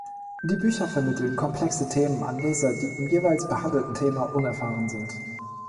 Die Bücher vermitteln komplexe Themen an Leser, die im jeweils behandelten Thema unerfahren sind.